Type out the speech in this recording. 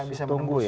akan bisa menunggu